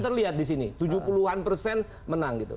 kita lihat di sini tujuh puluh an persen menang